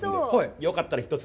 よかったら一つ。